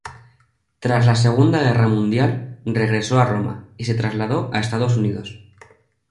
Tras la Segunda Guerra Mundial regresó a Roma y se transladó a Estados Unidos.